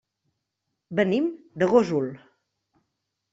Venim de Gósol.